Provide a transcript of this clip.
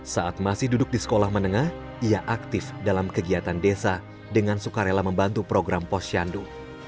saat masih duduk di sekolah menengah ia aktif dalam kegiatan desa dengan sukarela membantu program posyandu